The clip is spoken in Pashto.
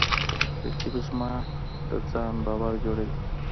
رقیب زما د ځان باور جوړوي